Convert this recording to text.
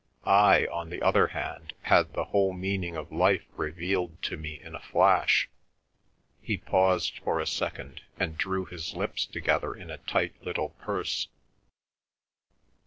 I, on the other hand, had the whole meaning of life revealed to me in a flash." He paused for a second, and drew his lips together in a tight little purse.